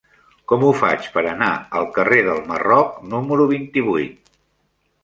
Com ho faig per anar al carrer del Marroc número vint-i-vuit?